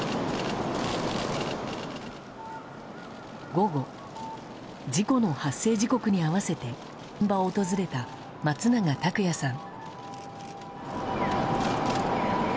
午後事故の発生時刻に合わせて現場を訪れた松永拓也さん。